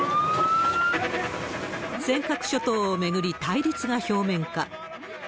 尖閣諸島を巡り対立が表面化。